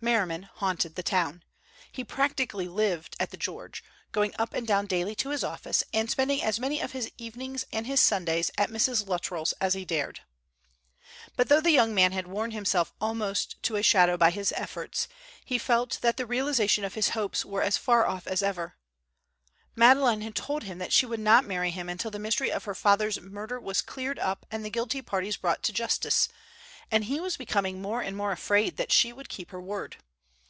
Merriman haunted the town. He practically lived at the George, going up and down daily to his office, and spending as many of his evenings and his Sundays at Mrs. Luttrell's as he dared. But though the young man had worn himself almost to a shadow by his efforts, he felt that the realization of his hopes was as far off as ever. Madeleine had told him that she would not marry him until the mystery of her father's murder was cleared up and the guilty parties brought to justice, and he was becoming more and more afraid that she would keep her word.